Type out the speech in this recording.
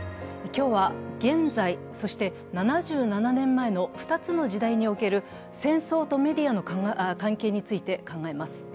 今日は現在、そして７７年前の２つの時代における戦争とメディアの関係について考えます。